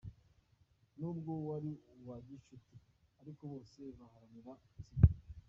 Nubwo wari uwa gicuti ariko bose baharaniraga gutsinda.